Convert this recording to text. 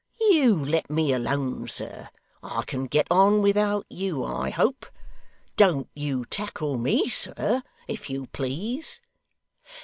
You let me alone, sir. I can get on without you, I hope. Don't you tackle me, sir, if you please.